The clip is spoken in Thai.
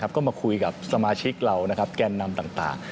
ก็มาคุยกับสมาชิกเราแกนนำต่าง